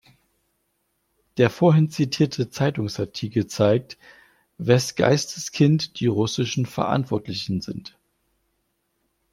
Der vorhin zitierte Zeitungsartikel zeigt, wes Geistes Kind die russischen Verantwortlichen sind.